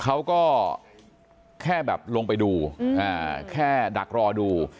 เขาก็แค่แบบลงไปดูแค่ดักรอดู